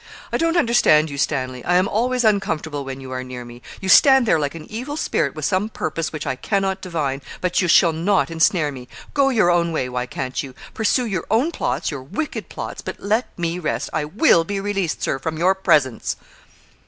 'I don't understand you, Stanley. I am always uncomfortable when you are near me. You stand there like an evil spirit, with some purpose which I cannot divine; but you shall not ensnare me. Go your own way, why can't you? Pursue your own plots your wicked plots; but let me rest. I will be released, Sir, from your presence.'